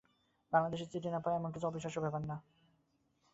বাংলাদেশে চিঠি না-পাওয়া এমন কিছু অবিশ্বাস্য ব্যাপার না!